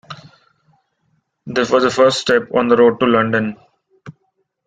This was the first step on the road to London.